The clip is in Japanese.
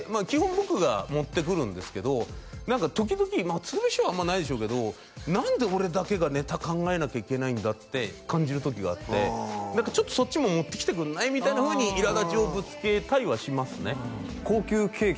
僕が持ってくるんですけど何か時々鶴瓶師匠はあんまりないでしょうけど何で俺だけがネタ考えなきゃいけないんだって感じる時があって何かちょっとそっちも持ってきてくんない？みたいなふうにいらだちをぶつけたりはしますね高級ケーキ